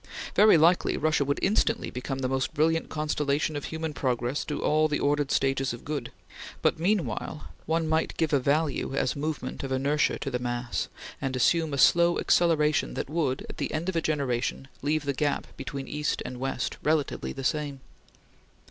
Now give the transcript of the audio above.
Very likely, Russia would instantly become the most brilliant constellation of human progress through all the ordered stages of good; but meanwhile one might give a value as movement of inertia to the mass, and assume a slow acceleration that would, at the end of a generation, leave the gap between east and west relatively the same.